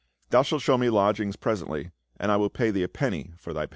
"Thou shalt show me lodgings presently, and I will pay thee a penny for thy pains."